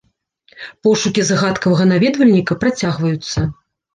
Пошукі загадкавага наведвальніка працягваюцца.